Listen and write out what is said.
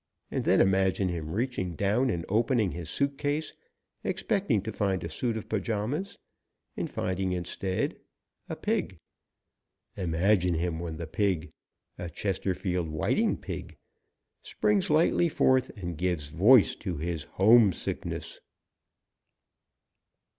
And then imagine him reaching down and opening his suit case, expecting to find a suit of pajamas, and finding, instead, a pig. Imagine him when the pig a Chesterfield Whiting pig springs lightly forth and gives voice to his homesickness!